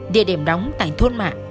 địa điểm đóng tại thôn mạ